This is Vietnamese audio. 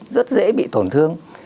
rất dễ bị tổn thương